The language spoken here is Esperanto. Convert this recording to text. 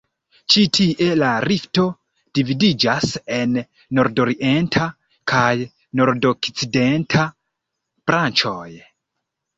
Ĉi tie la rifto dividiĝas en nordorienta kaj nordokcidenta branĉoj.